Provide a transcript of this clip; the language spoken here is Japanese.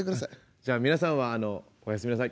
じゃあ皆さんはおやすみなさい。